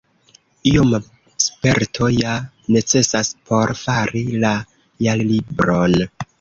Ioma sperto ja necesas por fari la Jarlibron.